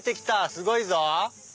すごいぞ！